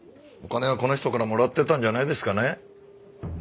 お金はこの人からもらってたんじゃないですかね。